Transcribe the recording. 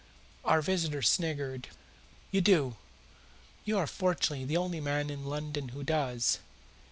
Our visitor sniggered. "You do. You are, fortunately, the only man in London who does.